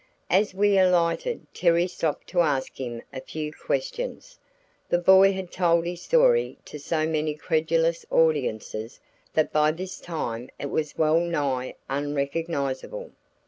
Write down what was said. As we alighted Terry stopped to ask him a few questions. The boy had told his story to so many credulous audiences that by this time it was well nigh unrecognizable.